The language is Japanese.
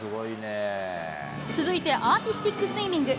続いて、アーティスティックスイミング。